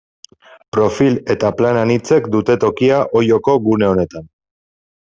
Profil eta plan anitzek dute tokia Olloko gune honetan.